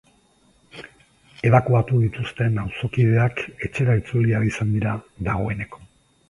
Ebakuatu dituzten auzokideak etxera itzuli ahal izan dira dagoeneko.